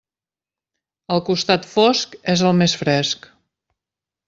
El costat fosc és el més fresc.